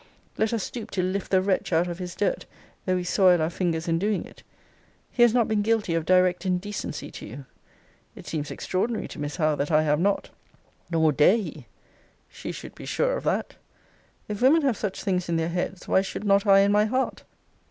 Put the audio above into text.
] 'Let us stoop to lift the wretch out of his dirt, though we soil our fingers in doing it! He has not been guilty of direct indecency to you.' It seems extraordinary to Miss Howe that I have not. 'Nor dare he!' She should be sure of that. If women have such things in their heads, why should not I in my heart?